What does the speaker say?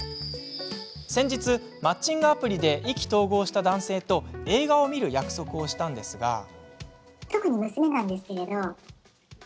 先日、マッチングアプリで意気投合した男性と映画を見る約束をしたのですが。